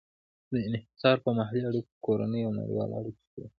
دا انحصار په محلي اړیکو، کورنیو او نړیوالو اړیکو کې دی.